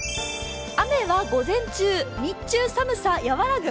雨は午前中、日中寒さ和らぐ。